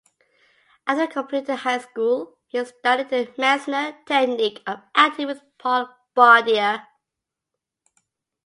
After completing high school, he studied the Meisner Technique of acting with Paul Bardier.